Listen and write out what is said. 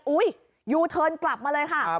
อุ๊ยยูเทิร์นกลับมาเลยค่ะ